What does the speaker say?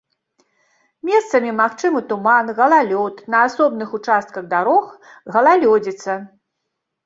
Месцамі магчымы туман, галалёд, на асобных участках дарог галалёдзіца.